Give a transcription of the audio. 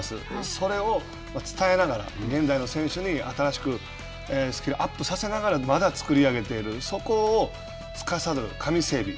それを伝えながら、現代の選手に新しくスキルアップさせながらまだ作り上げているそこをつかさどる神整備。